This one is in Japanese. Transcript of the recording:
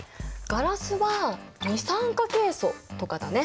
ガラスは二酸化ケイ素とかだね。